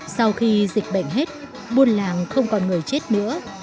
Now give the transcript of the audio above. sau khi dịch bệnh hết buôn làng không còn người chết nữa